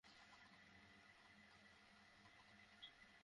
যেসব জায়গায় অবৈধভাবে গ্যাসের সংযোগ নেওয়া হচ্ছে, সেসব জায়গাতেও দুর্ঘটনা ঘটছে।